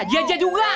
iya dia juga